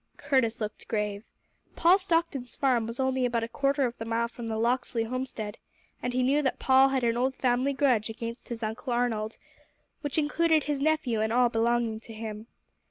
Curtis looked grave. Paul Stockton's farm was only about a quarter of a mile from the Locksley homestead, and he knew that Paul had an old family grudge against his Uncle Arnold, which included his nephew and all belonging to him.